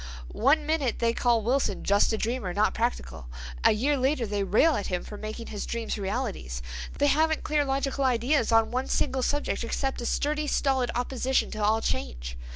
One minute they call Wilson 'just a dreamer, not practical'—a year later they rail at him for making his dreams realities. They haven't clear logical ideas on one single subject except a sturdy, stolid opposition to all change.